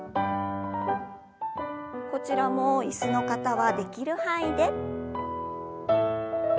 こちらも椅子の方はできる範囲で。